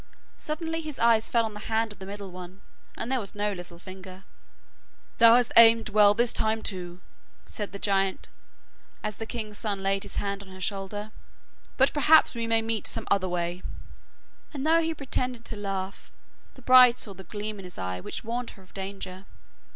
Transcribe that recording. Suddenly his eyes fell on the hand of the middle one, and there was no little finger. 'Thou hast aimed well this time too,' said the giant, as the king's son laid his hand on her shoulder, 'but perhaps we may meet some other way'; and though he pretended to laugh, the bride saw a gleam in his eye which warned her of danger.